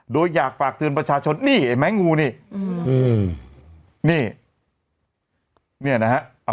โดยอยากฝากเตือนประชาชนนี่ไอ้แม้งูนี่อืมนี่เนี่ยนะฮะ